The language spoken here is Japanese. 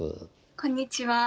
こんにちは。